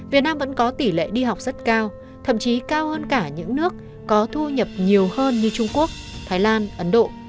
việt nam vẫn có tỷ lệ đi học rất cao thậm chí cao hơn cả những nước có thu nhập nhiều hơn như trung quốc thái lan ấn độ